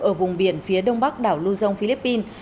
ở vùng biển phía đông bắc đảo lưu dông philippines